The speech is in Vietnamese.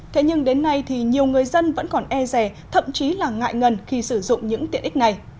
thế nhưng đến nay thì nhiều người dân vẫn còn e rè thậm chí là ngại ngần khi sử dụng những tiện ích này